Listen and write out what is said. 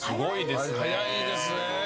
早いですね。